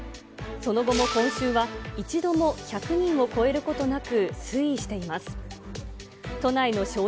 その後も今週は、一度も１００人を超えることなく推移しています。